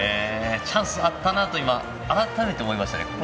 チャンスあったなと今、改めて思いましたね。